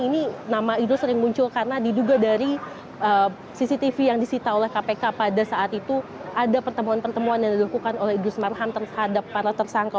ini nama idrus sering muncul karena diduga dari cctv yang disita oleh kpk pada saat itu ada pertemuan pertemuan yang dilakukan oleh idrus marham terhadap para tersangka